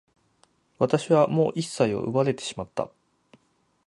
私はもう一切を奪われてしまった。